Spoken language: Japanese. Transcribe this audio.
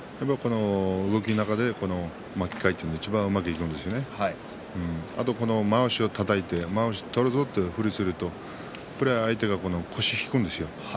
動きの中で巻き替えというのはいちばんうまくいくのでまわしをたたいてまわしを取るぞというふりをすると相手が腰を引くんです。